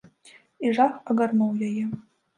І жах агарнуў яе.